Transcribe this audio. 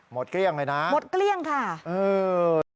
หมดก็เลี่ยงเลยนะหมดก็เลี่ยงค่ะเออ